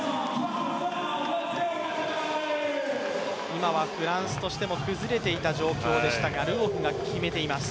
今はフランスとしても崩れていた状況でしたがルゴフが決めています。